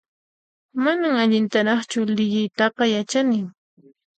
Manan allintaraqchu liyiytaqa yachani